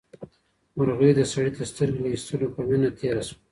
مرغۍ د سړي د سترګې له ایستلو په مینه تېره شوه.